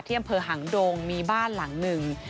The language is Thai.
อำเภอหังดงมีบ้านหลังหนึ่ง